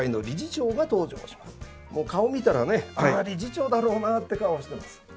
もう顔見たらねああ理事長だろうなって顔をしてます。